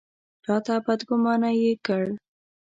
راته بدګومانه یې کړ.